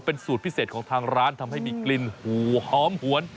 เป็นสูตรพิเศษของทางร้านทำให้มีกลิ่นหูหอมหวน